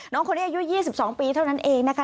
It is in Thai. น้องคนนี้อายุ๒๒ปีเท่านั้นเองนะคะ